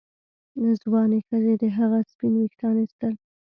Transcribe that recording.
ځوانې ښځې د هغه سپین ویښتان ایستل.